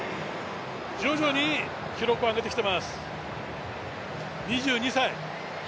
徐々に記録を上げてきています、２２歳。